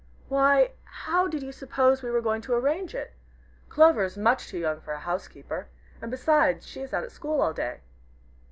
"Why, how did you suppose we were going to arrange it? Clover is much too young for a housekeeper. And beside, she is at school all day."